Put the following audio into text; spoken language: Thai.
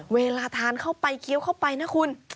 เวลาทานเข้าไปเคี้ยวเข้าไปนะคุณ